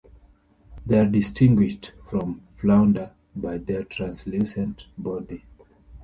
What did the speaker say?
They are distinguished from flounder by their translucent body.